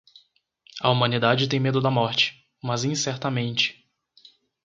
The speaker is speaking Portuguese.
A humanidade tem medo da morte, mas incertamente.